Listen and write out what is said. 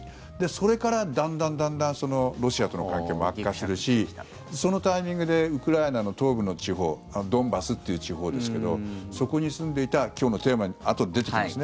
それから、だんだん、だんだんロシアとの関係も悪化するしそのタイミングでウクライナの東部の地方ドンバスっていう地方ですけどそこに住んでいた今日のテーマ、あとで出てきます